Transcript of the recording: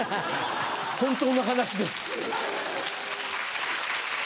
本当の話です。